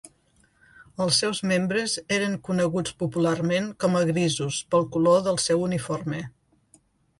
Els seus membres eren coneguts popularment com a grisos pel color del seu uniforme.